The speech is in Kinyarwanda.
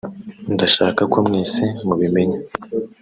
“Ndashaka ko mwese mubimenya